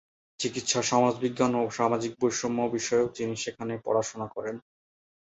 চিকিৎসা সমাজবিজ্ঞান ও সামাজিক বৈষম্য বিষয়েও তিনি সেখানে পড়াশোনা করেন।